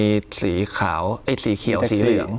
มีสีขาวไอ้สีเขียวสีเหลือง